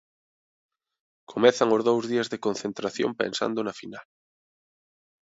Comezan os dous días de concentración pensando na final.